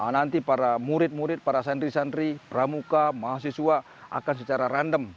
nanti para murid murid para santri santri pramuka mahasiswa akan secara random